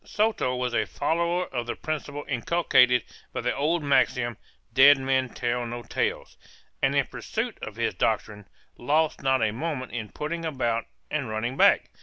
Soto was a follower of the principle inculcated by the old maxim, "Dead men tell no tales;" and in pursuance of his doctrine, lost not a moment in putting about and running back.